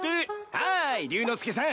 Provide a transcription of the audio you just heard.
はい竜之介さん